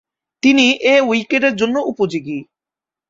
তিনি এ উইকেটের জন্য উপযোগী।